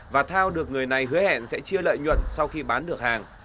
và thao được người này hứa hẹn sẽ chia lợi nhuận sau khi bán được hàng